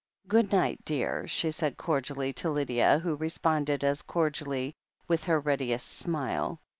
"Good night, dear," she said cordially to Lydia, who responded as cordially, with her readiest smile.